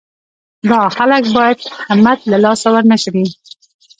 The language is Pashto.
دا خلک باید همت له لاسه ورنه کړي.